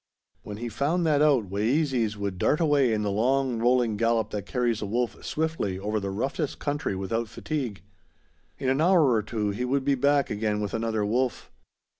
When he found that out Wayeeses would dart away in the long, rolling gallop that carries a wolf swiftly over the roughest country without fatigue. In an hour or two he would be back again with another wolf.